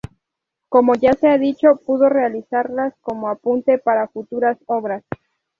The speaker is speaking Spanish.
Como ya se ha dicho, pudo realizarlas como apunte para futuras obras.